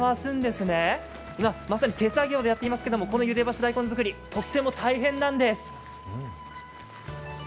まさに手作業でやっていますけれども、このゆで干し大根作り、とっても大変なんです。